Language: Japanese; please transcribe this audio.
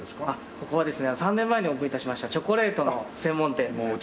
ここはですね３年前にオープン致しましたチョコレートの専門店になっております。